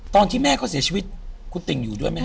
ตอนที่แม่เขาเสียชีวิตคุณติ่งอยู่ด้วยไหมฮ